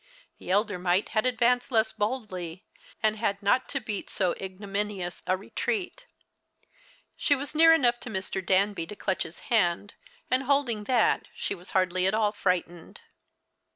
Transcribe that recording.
The elder mite had advanced less boldly, and had not to beat so ignominious a retreat. She was near enough to Mr. Danby to clutch his hand, and holding that, she was hardly at all frightened.